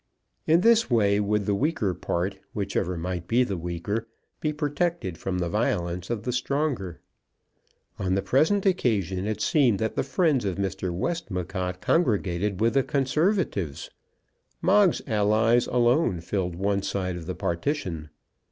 In this way would the weaker part, whichever might be the weaker, be protected from the violence of the stronger. On the present occasion it seemed that the friends of Mr. Westmacott congregated with the Conservatives. Moggs's allies alone filled one side of the partition.